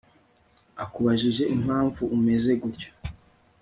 akubajije impamvu umeze gutyo